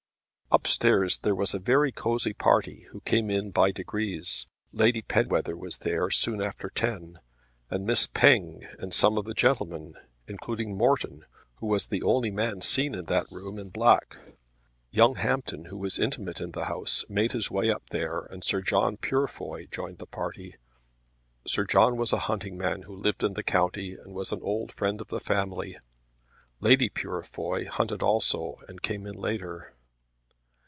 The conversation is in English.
Up stairs there was a very cosy party who came in by degrees. Lady Penwether was there soon after ten with Miss Penge and some of the gentlemen, including Morton, who was the only man seen in that room in black. Young Hampton, who was intimate in the house, made his way up there and Sir John Purefoy joined the party. Sir John was a hunting man who lived in the county and was an old friend of the family. Lady Purefoy hunted also, and came in later.